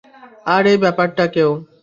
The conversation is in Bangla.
আর এই ব্যাপারটাকেও।